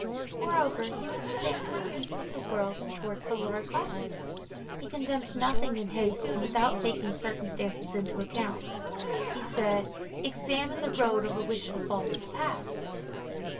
Moreover, he was the same towards people of the world and towards the lower classes. He condemned nothing in haste and without taking circumstances into account. He said, "Examine the road over which the fault has passed."